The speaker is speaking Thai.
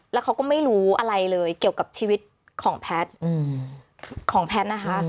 แล้วเขาก็ไม่รู้อะไรเลยเกี่ยวกับชีวิตของแพทย์